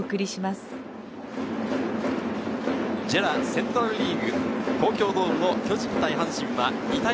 ＪＥＲＡセントラルリーグ、東京ドームの巨人対阪神は２対０。